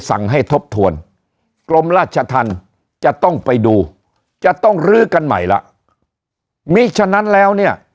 สั่งให้ทบทวนกรมราชธรรมจะต้องไปดูจะต้องลื้อกันใหม่ละมิฉะนั้นแล้วเนี่ย